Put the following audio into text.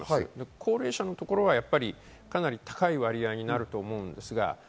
高齢者はかなり高い割合になると思います。